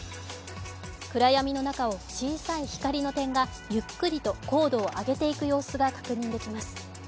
暗闇の中を小さい光の点がゆっくりと高度を上げていく様子が確認できます。